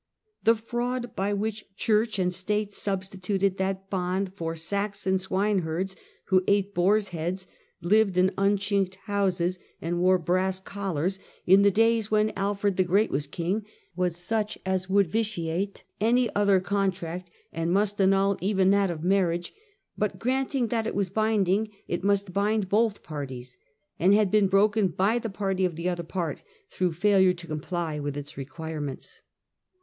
The fraud by which church and state substituted that bond made for Saxon swine herds, who ate boar's heads, lived in unchinked houses and wore brass col Finance and Desektion. 165 lars, in the daj s when Alfred the Great was king, was such as would vitiate any other contract, and must annul even that of marriage; but, granting that it was binding, it must bind both parties, and had been broken by the party of the other part through failure to comply with its requirements.